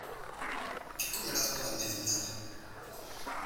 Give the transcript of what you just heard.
¿Qué comerás para merendar?